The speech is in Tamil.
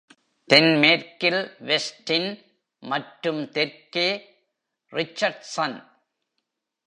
தென்மேற்கில் வெஸ்டின் மற்றும் தெற்கே ரிச்சர்ட்சன்.